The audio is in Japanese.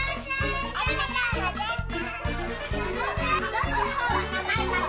ありがとうございます。